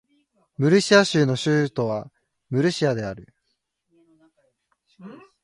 ムルシア州の州都はムルシアである